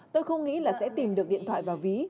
tôi không nghĩ là sẽ tìm được điện thoại và ví